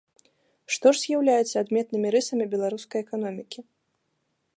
Што ж з'яўляецца адметнымі рысамі беларускай эканомікі?